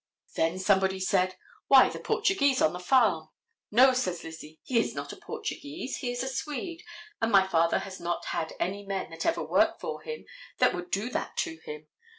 Then somebody said: Why, the Portuguese on the farm. No, says Lizzie, he is not a Portuguese; he is a Swede, and my father has not any men that ever worked for him that would do that to him.